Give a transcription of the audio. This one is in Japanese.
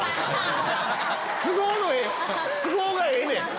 都合がええねん。